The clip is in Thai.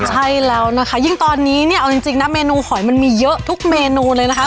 ใช่แล้วนะคะยิ่งตอนนี้เนี่ยเอาจริงนะเมนูหอยมันมีเยอะทุกเมนูเลยนะคะ